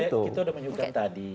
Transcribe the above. kita udah menyukai tadi